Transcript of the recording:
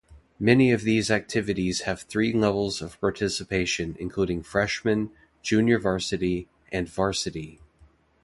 Many of these activities have three levels of participation including freshmen, junior-varsity and varsity.